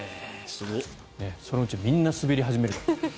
そのうちみんな滑り始める。